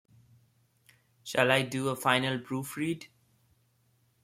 Shall I do a final proof read?